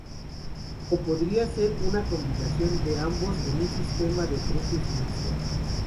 O podría ser una combinación de ambos en un "sistema de precios mixto".